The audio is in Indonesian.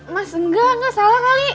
mas enggak enggak salah kali